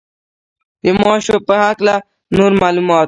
د ماشو په هکله نور معلومات.